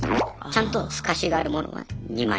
ちゃんと透かしがあるものは２万円とか。